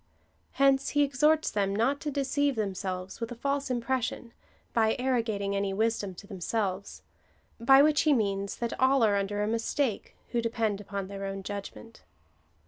Hence he exhorts them not to deceive themselves with a false impres sion, by arrogating any wisdom to themselves — by which he means, that all are under a mistake, who depend upon their own judgment.